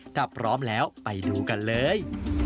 ถ้าพร้อมแล้วไปดูกันเลย